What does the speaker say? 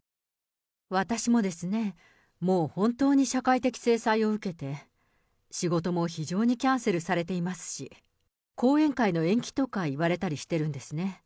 私もですね、もう本当に社会的制裁を受けて、仕事も非常にキャンセルされていますし、講演会の延期とか言われたりしてるんですね。